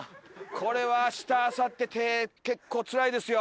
これはあしたあさって手結構つらいですよ。